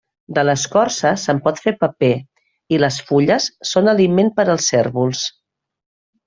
De l'escorça se'n pot fer paper i les fulles són aliment per als cérvols.